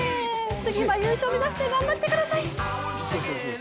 次は優勝目指して頑張ってください。